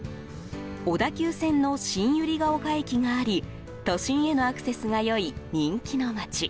小田急線の新百合ヶ丘駅があり都心へのアクセスが良い人気の街。